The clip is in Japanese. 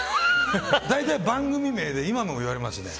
大体、番組名で今も言われますね。